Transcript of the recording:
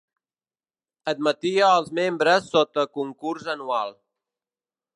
Admetia els membres sota concurs anual.